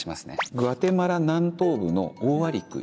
グアテマラ南東部のオオアリクイ。